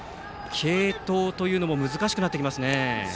継投というのも難しくなってきますね。